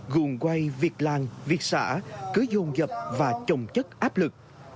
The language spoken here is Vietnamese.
gồm quay việc làng việc xã cứ dồn dập và trồng chất áp lực